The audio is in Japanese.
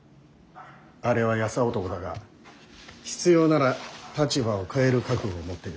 あれは優男だが必要なら立場を変える覚悟を持ってる。